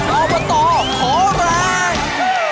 อบตขอแรง